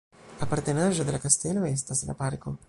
Apartenaĵo de la kastelo estas la parko.